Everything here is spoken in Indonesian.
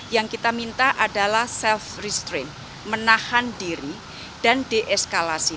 yang kita minta adalah self restrim menahan diri dan deeskalasi